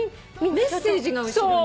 メッセージが後ろに。